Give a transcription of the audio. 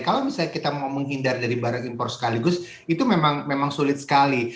kalau misalnya kita mau menghindari dari barang impor sekaligus itu memang sulit sekali